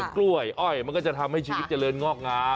กล้วยอ้อยมันก็จะทำให้ชีวิตเจริญงอกงาม